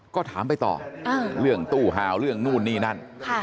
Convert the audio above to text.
ก็ถามไปต่อเรื่องตู้หาวเรื่องนู่นนี่นั่น